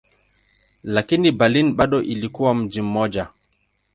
Lakini Berlin bado ilikuwa mji mmoja.